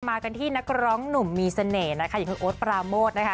มากันที่นักร้องหนุ่มมีเสน่ห์นะคะอย่างคุณโอ๊ตปราโมทนะคะ